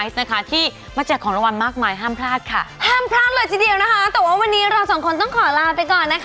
สวัสดีครับ